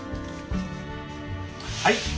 はい！